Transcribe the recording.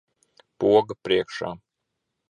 Poga priekšā.